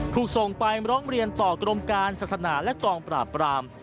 ถูกส่งไปร้องเรียนต่อกรมการศาสนาและกองปราบปราม